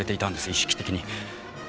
意識的に。